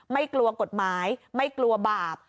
ไม่กลัวกฎหมายไม่กลัวบาป